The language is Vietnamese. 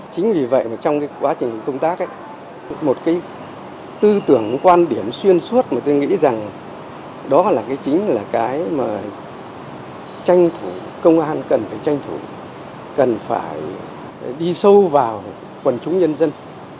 chính vì vậy trong quá trình công tác một cái tư tưởng quan điểm xuyên suốt mà tôi nghĩ rằng đó chính là cái mà công an cần phải tranh thủ cần phải đi sâu vào quần chúng nhân dân